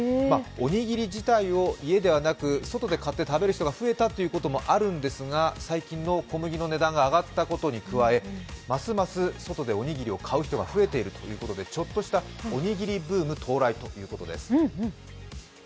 おにぎり自体を家ではなく外で買って食べる人が増えたということもあるんですが、最近の小麦の値段が上がったことに加え、ますます外でおにぎりを買う人が増えているということでちょっとしたおにぎりブーム到来ということです。